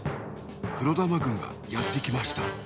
黒玉軍がやってきました。